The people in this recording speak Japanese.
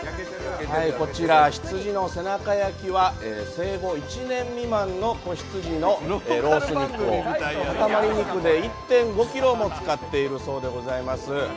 こちら羊の背中焼きは生後１年未満の子羊のロース肉を塊肉で１．５ｋｇも使っているそうでございます。